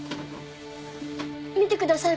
見てください